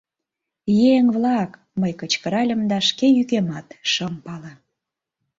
Еҥ-влак! — мый кычкыральым да шке йӱкемат шым пале.